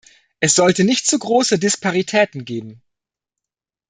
Es sollte nicht zu große Disparitäten geben.